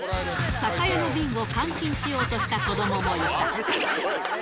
酒屋の瓶を換金しようとした子どももいた。